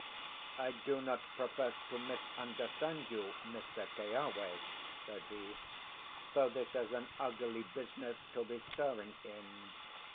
"I do not profess to misunderstand you, Mr. Keawe," said he, "though this is an ugly business to be stirring in.